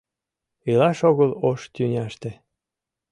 Илаш огыл ош тӱняште.